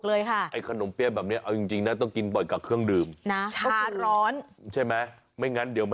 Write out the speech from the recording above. โอ้โฮไข่แดงน่ะอุ๊ย